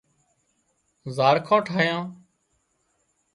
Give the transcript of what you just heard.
زاڙکان ٺاهيان